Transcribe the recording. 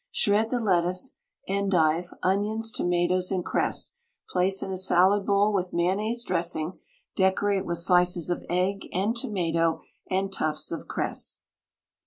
Shred the lettuce, endive, onions, tomatoes, and cress, place in a salad bowl with mayonnaise dressing, decorate with slices of egg and tomato and tufts of cress.